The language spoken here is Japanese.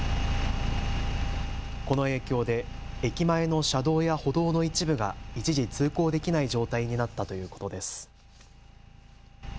この影響で駅前の車道や歩道の一部が一時、通行できない状態になったということです。